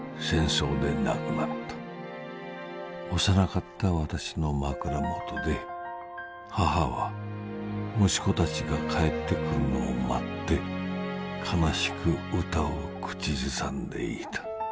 幼かった私の枕元で母は息子たちが帰ってくるのを待って哀しくうたを口ずさんでいた。